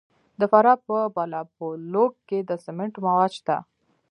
د فراه په بالابلوک کې د سمنټو مواد شته.